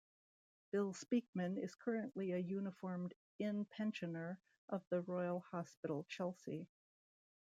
Bill Speakman is currently a uniformed in-pensioner of the Royal Hospital Chelsea.